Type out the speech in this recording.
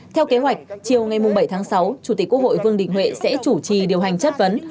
theo kế hoạch chiều ngày bảy tháng sáu chủ tịch quốc hội vương đình huệ sẽ chủ trì điều hành chất vấn